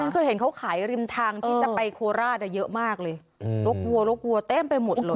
คือเห็นเขาขายริมทางที่จะไปโคราชเยอะมากเลยรกวัวรกวัวเต็มไปหมดเลย